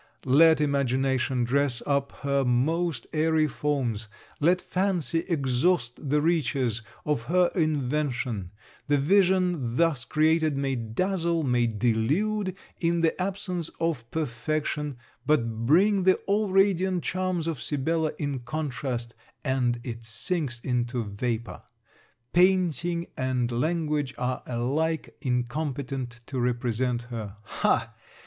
Let imagination dress up her most airy forms, let fancy exhaust the riches of her invention, the vision thus created may dazzle, may delude in the absence of perfection; but bring the all radiant charms of Sibella in contrast, and it sinks into vapour. Painting and language are alike incompetent to represent her. Ha!